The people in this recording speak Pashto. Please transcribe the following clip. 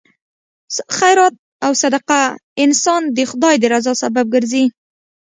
خیرات او صدقه انسان د خدای د رضا سبب ګرځي.